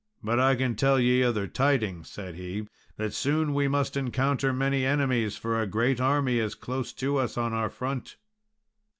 "But I can tell ye other tidings," said he "that soon we must encounter many enemies, for a great army is close to us in our front."